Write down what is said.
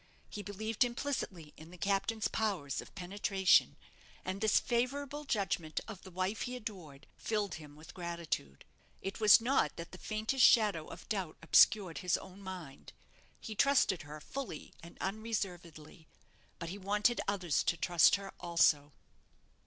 He believed implicitly in the captain's powers of penetration, and this favourable judgment of the wife he adored filled him with gratitude. It was not that the faintest shadow of doubt obscured his own mind. He trusted her fully and unreservedly; but he wanted others to trust her also.